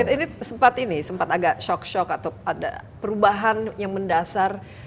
ini sempat ini sempat agak shock shock atau ada perubahan yang mendasar